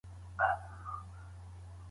ايا په شاهنامه کي ټولنيز بحثونه سته؟